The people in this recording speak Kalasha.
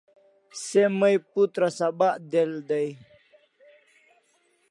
Se may putra sabak del day